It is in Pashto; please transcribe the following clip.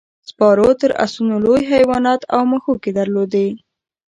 سپارو تر اسونو لوی حیوانات او مښوکې درلودې.